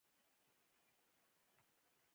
په همدې ځاې کې لمونځ ادا کړ.